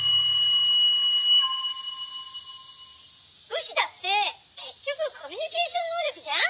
「武士だって結局コミュニケーション能力じゃん？